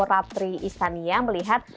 raptri istania melihat